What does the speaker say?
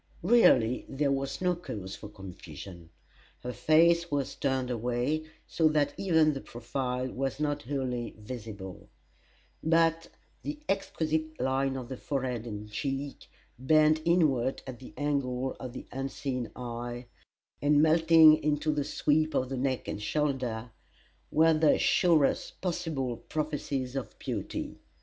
Really there was no cause for confusion. Her face was turned away, so that even the profile was not wholly visible; but the exquisite line of the forehead and cheek, bent inward at the angle of the unseen eye, and melting into the sweep of the neck and shoulder, were the surest possible prophecies of beauty.